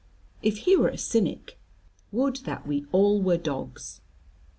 If he were a Cynic, would that we all were dogs!